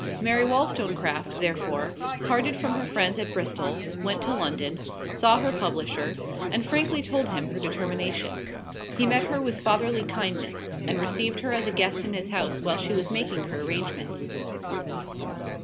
Mary Wollstonecraft, therefore, parted from her friends at Bristol, went to London, saw her publisher, and frankly told him her determination. He met her with fatherly kindness, and received her as a guest in his house while she was making her arrangements.